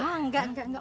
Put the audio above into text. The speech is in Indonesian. ah enggak enggak enggak